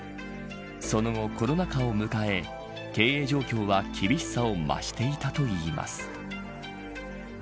その後コロナ禍を迎え経営状況は厳しさを増していたといいます。